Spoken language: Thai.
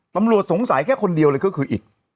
ตำรวจสงสัยแค่คนเดียวเลยก็คืออีก